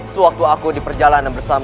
sewaktu aku diperjalanan ke rumahmu